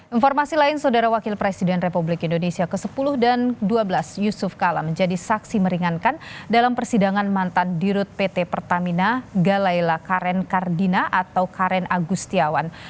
informasi lain saudara wakil presiden republik indonesia ke sepuluh dan ke dua belas yusuf kala menjadi saksi meringankan dalam persidangan mantan dirut pt pertamina galaila karen kardina atau karen agustiawan